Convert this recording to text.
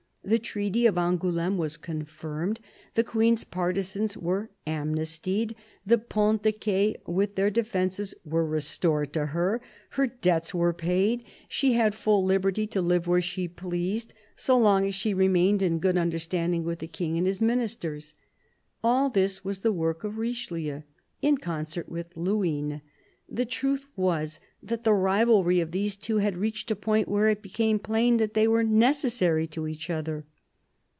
The treaty of Angouleme was confirmed; the Queen's partisans were amnestied ; the Ponts de Ce with their defences were restored to her ; her debts were paid ; she had full liberty to live where she pleased, so long as she remained in good understanding with the King and his Ministers. All this was the work of Richelieu, in concert with Luynes. The truth was, that the rivalry of these two had reached a point where it became plain that they were necessary to each other.